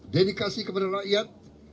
dedikasi kepada rakyat